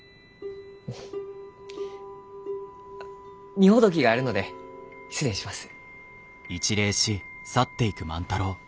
荷ほどきがあるので失礼します。